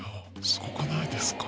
すごくないですか？